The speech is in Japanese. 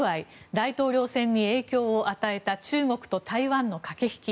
大統領選に影響を与えた中国と台湾の駆け引き。